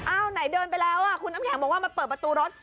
ไหนเดินไปแล้วคุณน้ำแข็งบอกว่ามาเปิดประตูรถ